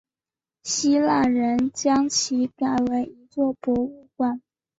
希腊人将其改为一座博物馆。